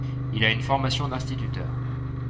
Il a une formation d'instituteur.